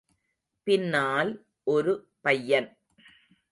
பின்னால் ஒரு பையன்.